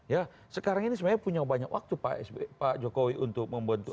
ya sekarang ini sebenarnya punya banyak waktu pak jokowi untuk membentuk